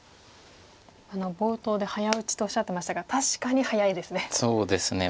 冒頭で早打ちとおっしゃってましたが確かに早いですね。